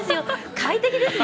快適ですね。